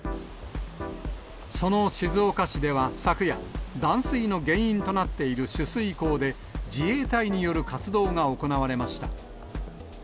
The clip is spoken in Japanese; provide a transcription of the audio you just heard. その静岡市では昨夜、断水の原因となっている取水口で、自衛隊による活動が行われました。